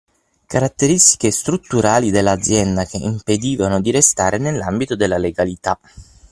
Caratteristiche strutturali dell’azienda che impedivano di restare nell’ambito della legalità.